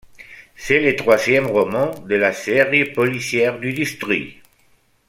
C’est le troisième roman de la série policière du District.